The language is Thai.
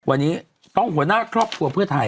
วันนี้ต้องหัวหน้าครอบครัวเพื่อไทย